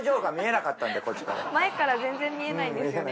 前から全然見えないんですよね